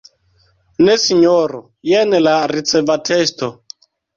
Ne Sinjoro, jen la ricevatesto.